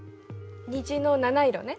虹の七色ね。